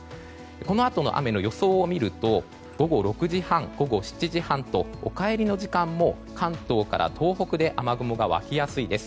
このあとの雨の予想を見ると午後６時半、午後７時半とお帰りの時間も関東から東北で雨雲が湧きやすいです。